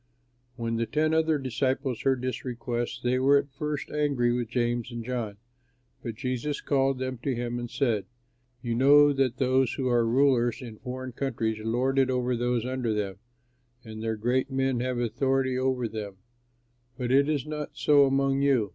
When the ten other disciples heard this request, they were at first angry with James and John, but Jesus called them to him and said, "You know that those who are rulers in foreign countries lord it over those under them, and their great men have authority over them; but it is not so among you.